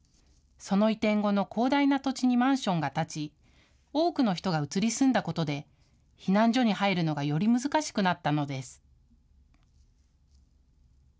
その移転後の広大な土地にマンションが建ち多くの人が移り住んだことで避難所に入るのがより難しくなったのです。